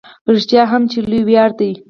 رښتیا هم چې لوی ویاړ دی.